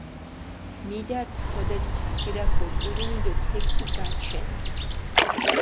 მიდართჷ სოდეთ თი ცირაქ ოწურუნი დო თექი გაჩენდჷ.